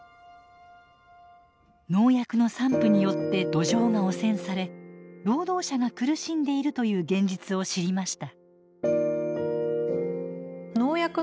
農薬の散布によって土壌が汚染され労働者が苦しんでいるという現実を知りました。